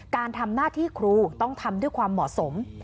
การทำหน้าที่ครูต้องทำด้วยความเหมาะสม